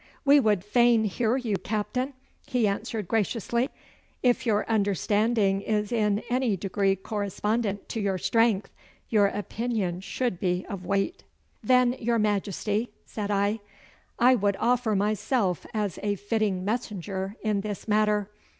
'We would fain hear you, Captain,' he answered graciously. 'If your understanding is in any degree correspondent to your strength, your opinion should be of weight.' 'Then, your Majesty,' said I, 'I would offer myself as a fitting messenger in this matter.